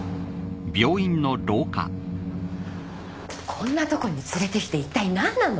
こんなとこに連れてきて一体何なの？